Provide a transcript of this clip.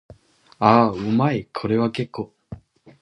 ああ、うまい。これは結構。